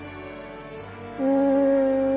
うん。